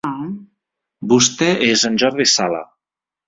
Vostè és en Jordi Sala.